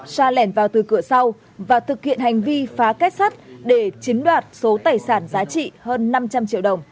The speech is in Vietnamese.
xa lẻn vào từ cửa sau và thực hiện hành vi phá kết sắt để chiếm đoạt số tài sản giá trị hơn năm trăm linh triệu đồng